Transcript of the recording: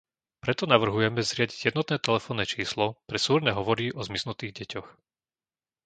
Preto navrhujeme zriadiť jednotné telefónne číslo pre súrne hovory o zmiznutých deťoch.